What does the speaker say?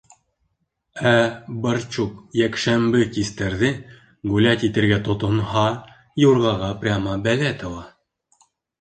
Ә барчук йәкшәмбе кистәрҙе гулять итергә тотонһа, юрғаға прямо бәлә тыуа.